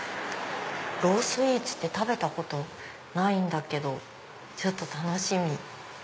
ロースイーツって食べたことないけど楽しみ！